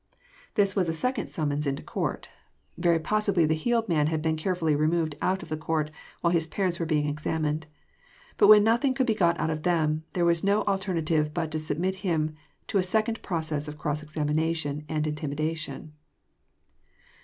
^ This was a second summons 158 EXFOSITOST THOUGHTS. t into coart. Very possibly the healed man had been careftilly removed ont of court, while his parents were being examined. Bat when nothing could be got out of them, there was no al ternative but to submit him to a second process of cross exami nation and intimidation.